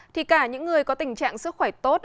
thì cả những người có tình trạng sức khỏe tốt